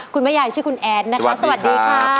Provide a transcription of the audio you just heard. คุณยายชื่อคุณแอดนะคะสวัสดีค่ะ